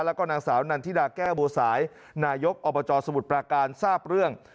แล้วก็นางสาวนันทิดาแก้วบัวสายนายกอบจสมุทรปราการทราบเรื่อง